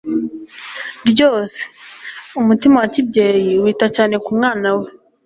ryose. Umutima wa kibyeyi wita cyane ku mwana we.